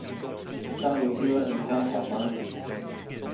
章魚哥，你還好嗎？